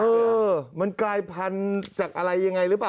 เออมันกลายพันธุ์จากอะไรยังไงหรือเปล่า